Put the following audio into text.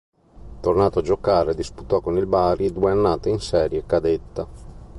Tornato a giocare, disputò con il Bari due annate in serie cadetta.